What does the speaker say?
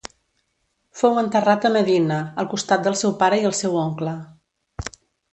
Fou enterrat a Medina al costat del seu pare i el seu oncle.